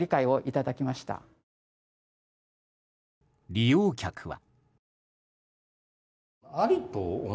利用客は。